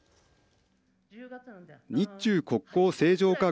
日中国交正常化